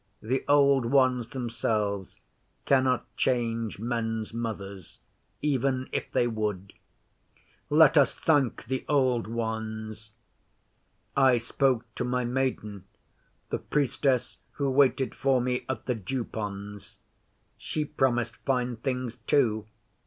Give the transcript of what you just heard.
'The Old Ones themselves cannot change men's mothers even if they would.' 'Let us thank the Old Ones! I spoke to my Maiden, the Priestess who waited for me at the Dew ponds. She promised fine things too.